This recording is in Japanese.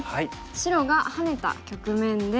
白がハネた局面で。